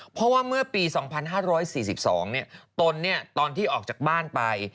เพราะว่าเมื่อปี๒๕๔๒ตนตอนที่ออกจากบ้านไป